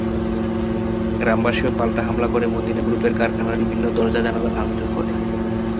গ্রামবাসীও পাল্টা হামলা করে মদিনা গ্রুপের কারখানার বিভিন্ন দরজা-জানালা ভাঙচুর করে।